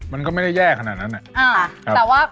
มันก็ไม่ได้แย่ขนาดนั้น